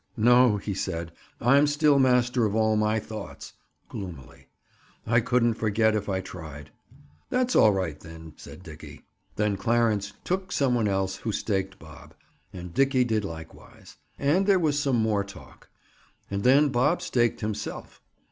"No," he said. "I'm still master of all my thoughts." Gloomily. "I couldn't forget if I tried." "That's all right, then," said Dickie. Then Clarence "took" some one else who staked Bob. And Dickie did likewise. And there was some more talk. And then Bob staked himself.